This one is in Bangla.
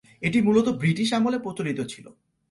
এটি মূলত ব্রিটিশ আমলে প্রচলিত ছিল।